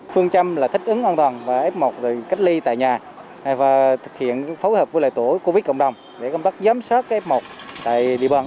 phương trâm là thích ứng an toàn và ép mọc từ cách ly tại nhà và thực hiện phối hợp với tổ covid cộng đồng để công tác giám sát ép mọc tại địa bàn